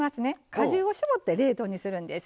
果汁を搾って冷凍にするんです。